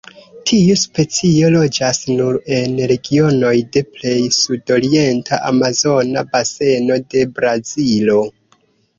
Tiu specio loĝas nur en regionoj de plej sudorienta Amazona Baseno de Brazilo.